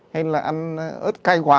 hay là ăn ớt cay quá